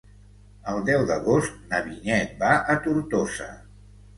El deu d'agost na Vinyet va a Tortosa.